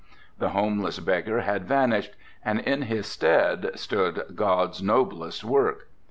The homeless beggar had vanished and in his stead stood God's noblest work.